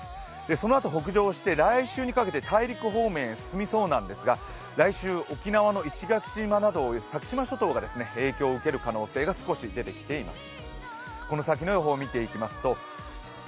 そのあと北上して来週にかけて大陸方面へ進みそうなんですが来週、沖縄の石垣島など先島諸島に影響が出る可能性が少し出てきています。